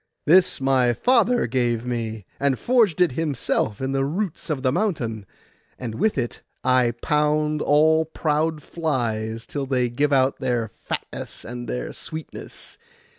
'This my father gave me, and forged it himself in the roots of the mountain; and with it I pound all proud flies till they give out their fatness and their sweetness.